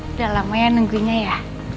udah lama ya nunggunya ya